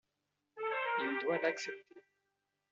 Il doit l'accepter.